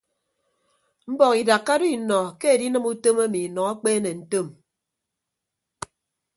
Mbọk idakka do innọ ke edinịm utom emi nọ akpeene ntom.